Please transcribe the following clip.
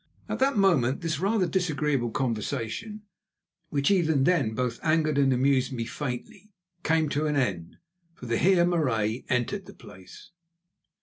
At that moment this rather disagreeable conversation, which even then both angered and amused me faintly, came to an end, for the Heer Marais entered the place.